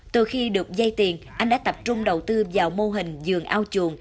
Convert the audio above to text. từ khi được dây tiền anh đã tập trung đầu tư vào mô hình dường ao chuồng